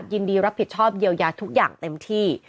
ยินดีรับผิดชอบเยียวยาทุกอย่างเต็มที่